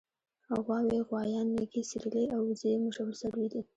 غواوې غوایان مېږې سېرلي او وزې یې مشهور څاروي دي.